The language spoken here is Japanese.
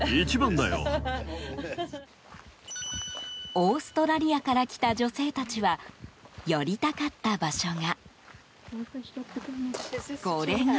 オーストラリアから来た女性たちは寄りたかった場所が。